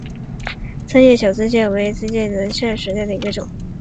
三叶小瓷蟹为瓷蟹科小瓷蟹属下的一个种。